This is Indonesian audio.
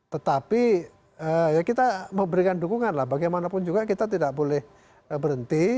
tetapi ya kita memberikan dukungan lah bagaimanapun juga kita tidak boleh berhenti